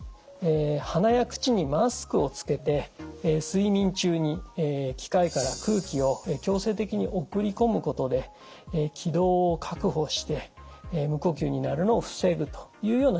鼻や口にマスクをつけて睡眠中に機械から空気を強制的に送り込むことで気道を確保して無呼吸になるのを防ぐというような治療法です。